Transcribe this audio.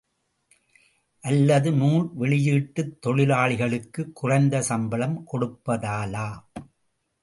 அல்லது நூல் வெளியீட்டுத் தொழிலாளிகளுக்கு குறைந்த சம்பளம் கொடுப்பதாலா?